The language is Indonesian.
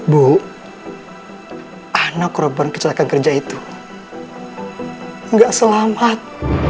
bu anak korban kecelakaan kerja itu nggak selamat